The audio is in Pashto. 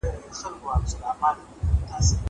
زه مخکي ښوونځی ته تللی و!